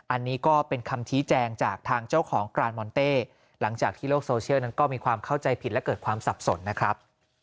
อันนี้ก็เป็นคำชี้แจงจากทางเจ้าของกรานมอนเต้หลังจากที่โลกโซเชียลนั้นก็มีความเข้าใจผิดและเกิดความสับสนนะครับ